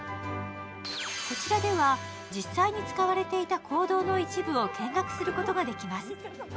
こちらでは、実際に使われていた坑道の一部を見学することができます。